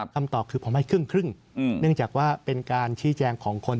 คำตอบคือผมให้ครึ่งเนื่องจากว่าเป็นการชี้แจงของคน